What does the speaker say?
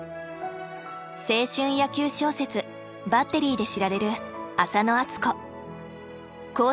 青春野球小説「バッテリー」で知られるあさのあつこ。